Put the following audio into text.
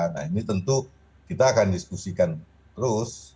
nah ini tentu kita akan diskusikan terus